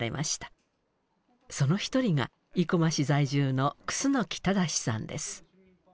その一人が生駒市在住の楠正志さんです。